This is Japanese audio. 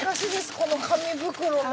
この紙袋の。